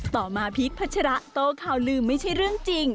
ต่อมาพีชพัชระโต้ข่าวลืมไม่ใช่เรื่องจริง